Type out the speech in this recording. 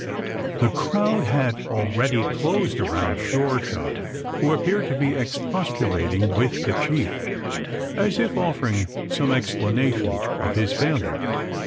The crowd had already closed around Sure shot, who appeared to be expostulating with the chief as if offering some explanation of his failure.